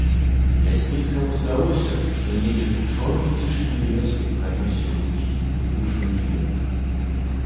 Лясніцкаму здалося, што недзе ў чорнай цішыні лесу пранёсся глухі прыдушаны енк.